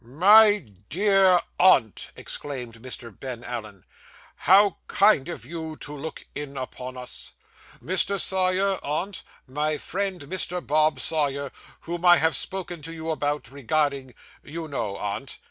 'My dear aunt,' exclaimed Mr. Ben Allen, 'how kind of you to look in upon us! Mr. Sawyer, aunt; my friend Mr. Bob Sawyer whom I have spoken to you about, regarding you know, aunt.